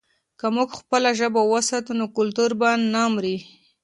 که موږ خپله ژبه وساتو، نو کلتور به نه مري.